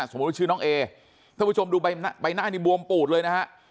สมมุติชื่อน้องเอเพื่อผู้ชมดูใบหน้านี่บวมปูดเลยนะฮะ